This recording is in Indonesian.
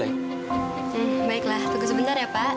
oke baiklah tunggu sebentar ya pak